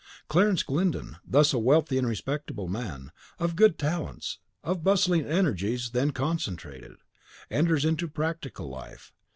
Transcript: Clarence Glyndon, thus a wealthy and respectable man, of good talents, of bustling energies then concentrated, enters into practical life.